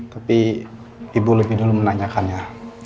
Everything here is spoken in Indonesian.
tapi ibu lebih dulu menanyakannya